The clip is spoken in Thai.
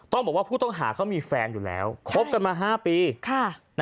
ขอบคุณมากค่ะ